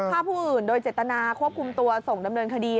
ฆ่าผู้อื่นโดยเจตนาควบคุมตัวส่งดำเนินคดี